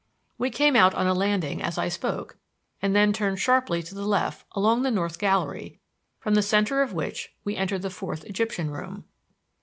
We came out on a landing as I spoke and then turned sharply to the left along the North Gallery, from the center of which we entered the Fourth Egyptian Room.